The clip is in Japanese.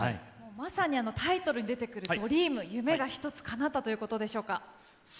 まさにタイトルに出てくるドリーム、夢が１つかなったということでしょうか。